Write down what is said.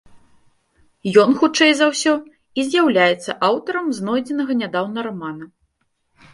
Ён, хутчэй за ўсё, і з'яўляецца аўтарам знойдзенага нядаўна рамана.